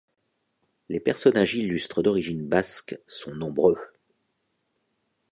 Les personnages illustres d'origine basque sont nombreux.